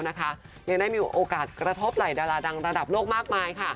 ยังได้มีโอกาสกระทบไหล่ดาราดังระดับโลกมากมาย